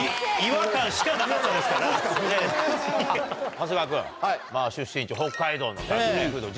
長谷川君出身地。